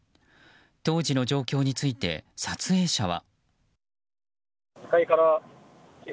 当時の状況について撮影者は。